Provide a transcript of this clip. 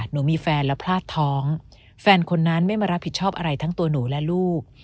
หนูมีแฟนแล้วพลาดท้องแฟนคนนั้นไม่มารับผิดชอบอะไรทั้งตัวหนูและลูก